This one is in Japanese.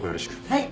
はい。